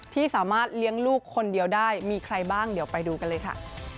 ที่สามารถเลี้ยงลูกคนเดียวได้มีใครบ้างเดี๋ยวไปดูกันเลยค่ะ